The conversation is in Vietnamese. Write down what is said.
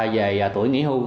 về tuổi nghỉ hưu